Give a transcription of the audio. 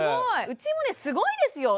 うちもねすごいですよ。